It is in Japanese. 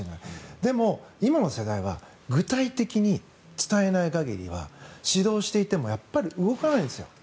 でも、今の世代は具体的に伝えない限りは指導していてもやっぱり動かないんです。